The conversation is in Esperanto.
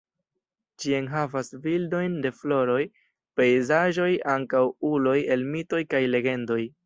Ĝi enhavas bildojn de floroj, pejzaĝoj ankaŭ uloj el mitoj kaj legendoj.